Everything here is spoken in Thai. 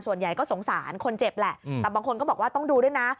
ส่วนใหญ่ก็สงสารคนเจ็บแหละแต่บางคนก็บอกว่าต้องดูด้วยนะ